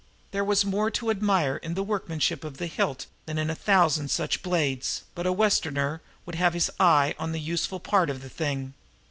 There was more to admire in the workmanship of the hilt than in a thousand such blades, but a Westerner would have his eye on the useful part of a thing.